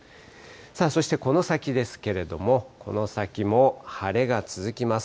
そしてこの先ですけれども、この先も晴れが続きます。